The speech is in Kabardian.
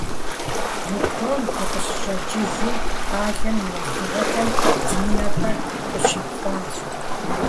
Метром дыкъыщыщӀэкӀыжым, къалэм и уэздыгъэхэм ди нэхэр къыщипхъуащ.